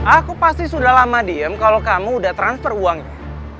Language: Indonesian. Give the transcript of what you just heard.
aku pasti sudah lama diem kalau kamu sudah transfer uangnya